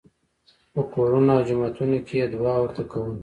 په کورونو او جوماتونو کې یې دعا ورته کوله.